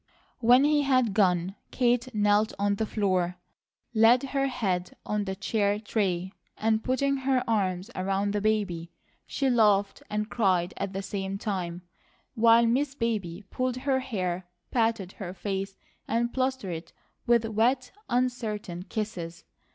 When he had gone Kate knelt on the floor, laid her head on the chair tray, and putting her arms around the baby she laughed and cried at the same time, while Miss Baby pulled her hair, patted her face, and plastered it with wet, uncertain kisses.